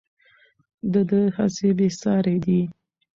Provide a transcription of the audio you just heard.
د ده هڅې بې ساري دي.